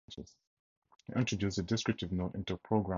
He introduced the descriptive note into programme booklets.